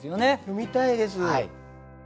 詠みたいです。